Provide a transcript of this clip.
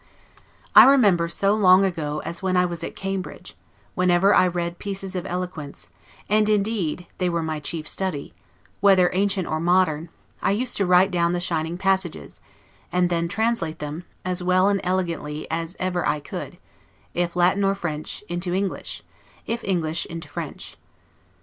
I remember so long ago as when I was at Cambridge, whenever I read pieces of eloquence (and indeed they were my chief study) whether ancient or modern, I used to write down the shining passages, and then translate them, as well and as elegantly as ever I could; if Latin or French, into English; if English, into French.